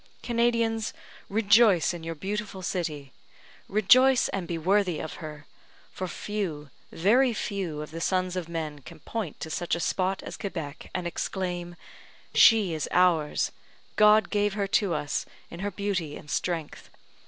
Canadians, rejoice in your beautiful city! Rejoice and be worthy of her for few, very few, of the sons of men can point to such a spot as Quebec and exclaim, "She is ours! God gave her to us, in her beauty and strength!